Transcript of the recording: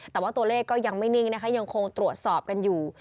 แต่ว่าตัวเลขก็ยังไม่นิ่งนะคะยังคงตรวจสอบกันอยู่